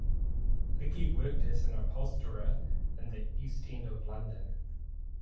Leckie worked as an upholsterer in the East End of London.